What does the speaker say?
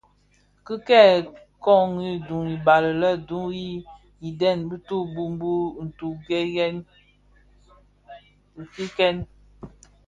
Ki kè kongi dhu kali lè duri ideň bituu bum bō dhubtèngai dikèè.